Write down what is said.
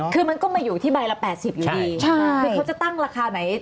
คือมันก็มาอยู่ที่ใบละ๘๐อยู่ดีใช่คือเขาจะตั้งราคาไหน